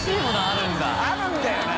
あるんだよな。